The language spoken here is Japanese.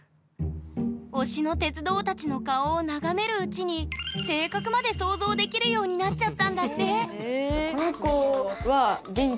推しの鉄道たちの顔を眺めるうちにできるようになっちゃったんだって！